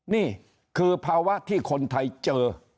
นี่คือภาวะที่คนไทยเจอ